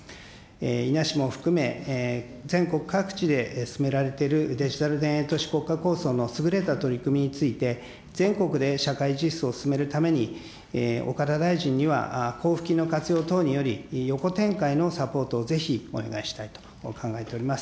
いな市も含め、全国各地で進められているデジタル田園都市国家構想の優れた取り組みについて、全国で社会実装を進めるために、岡田大臣には、交付金の活用等により、横展開のサポートをぜひお願いしたいと考えております。